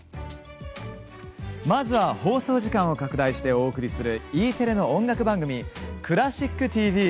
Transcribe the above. まずは、放送時間を拡大してお送りするＥテレの音楽番組「クラシックＴＶ」。